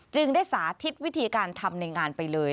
จึงได้สาธิตวิธีการทำในงานไปเลย